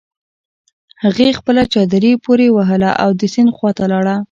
هغې خپله چادري پورې وهله او د سيند خواته لاړه.